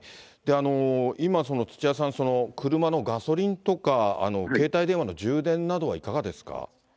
今、土屋さん、車のガソリンとか、携帯電話の充電などはいかがですか。